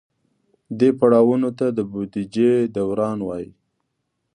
دې پړاوونو ته د بودیجې دوران وایي.